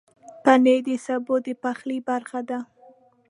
پنېر د سبو د پخلي برخه ده.